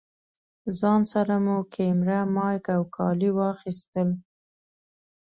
ځان سره مو کېمره، مايک او کالي واخيستل.